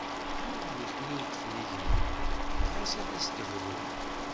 Ma d nutni i yeṭṭfen igenni, ɣas ad s-d-brun!